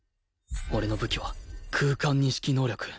俺の武器は空間認識能力